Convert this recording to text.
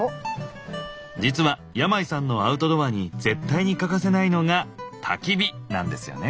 実は山井さんのアウトドアに絶対に欠かせないのがたき火なんですよね。